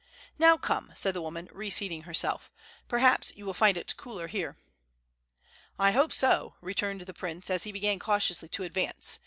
"Now come," said the woman, reseating herself; "perhaps you will find it cooler here." "I hope so," returned the prince, as he began cautiously to advance.